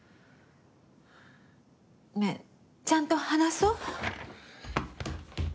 ねえちゃんと話そう？